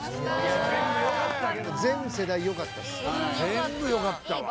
全部よかったわ。